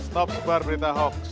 stop sebar berita hoax